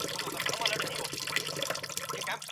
قانوني نظام بايد پياوړی وي.